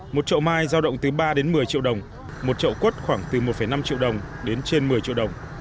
một trậu mai giao động từ ba đến một mươi triệu đồng một trậu quất khoảng từ một năm triệu đồng đến trên một mươi triệu đồng